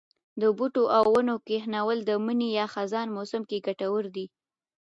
د بوټو او ونو کښېنول د مني یا خزان موسم کې کټور دي.